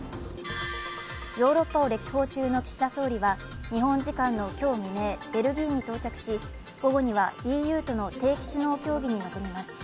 ヨーロッパを歴訪中の岸田総理は日本時間の今日未明、ベルギーに到着し、午後にはＥＵとの定期首脳協議に臨みます。